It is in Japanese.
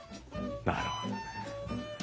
なるほどね。